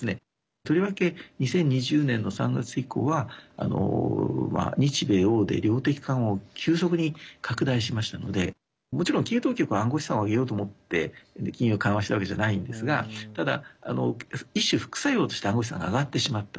とりわけ２０２０年の３月以降は日米欧で量的緩和を急速に拡大しましたのでもちろん、金融当局は暗号資産を上げようと思って金融緩和したわけじゃないんですがただ一種、副作用として暗号資産が上がってしまった。